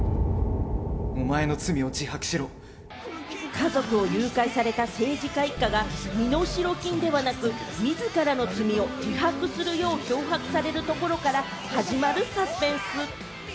家族を誘拐された政治家一家が身代金ではなく、自らの罪を自白するよう脅迫されるところから始まるサスペンス。